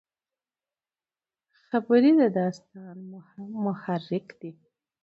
خبرې د داستان محرک دي.